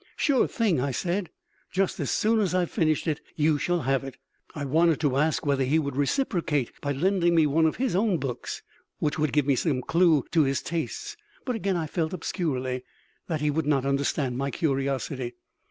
"Sure thing," I said. "Just as soon as I've finished it you shall have it." I wanted to ask whether he would reciprocate by lending me one of his own books, which would give me some clue to his tastes; but again I felt obscurely that he would not understand my curiosity.